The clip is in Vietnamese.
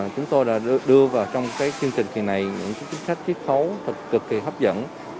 chúng tôi đã đưa vào trong chương trình này những chính sách triết khấu cực kỳ hấp dẫn